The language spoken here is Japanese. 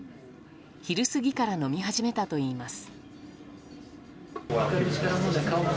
昼過ぎから飲み始めたといいます。